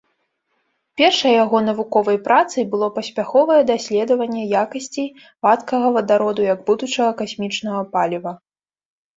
Першай яго навуковай працай было паспяховае даследаванне якасцей вадкага вадароду як будучага касмічнага паліва.